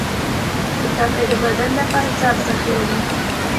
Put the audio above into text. پوټکی د بدن لپاره څه ارزښت لري؟